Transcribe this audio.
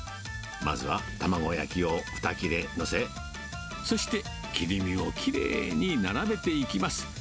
まずは卵焼きを２切れ載せ、そして切り身をきれいに並べていきます。